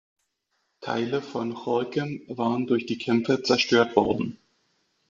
Teile von Gorinchem waren durch die Kämpfe zerstört worden.